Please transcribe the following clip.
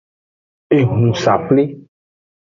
Ehunsafli.